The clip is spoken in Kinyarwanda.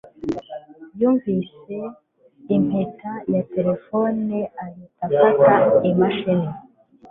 yumvise impeta ya terefone ahita afata imashini